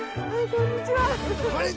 こんにちは！